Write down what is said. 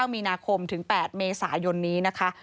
มีนาคมถึง๘เมษายนนี้นะคะ